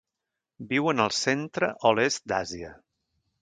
Viuen al centre o l'est d'Àsia.